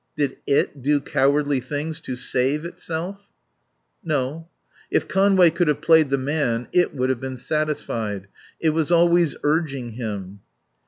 "Did 'it' do cowardly things to 'save' itself?" "No. If Conway could have played the man 'it' would have been satisfied. It was always urging him."